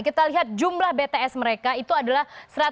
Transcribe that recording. kita lihat jumlah bts mereka itu adalah satu ratus delapan belas tujuh